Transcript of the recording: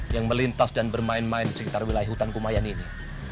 yang melintas dan bermain main di sekitar wilayah hutan kumayan ini